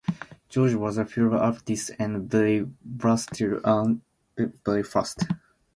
George was a helluva artist and very versatile and very fast.